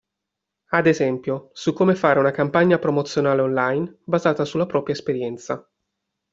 Ad esempio, su come fare una campagna promozionale online basata sulla propria esperienza.